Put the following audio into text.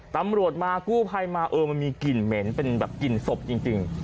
ตำรวจมากู้ภัยมาเออมันมีกลิ่นเหม็นเป็นแบบกลิ่นศพจริง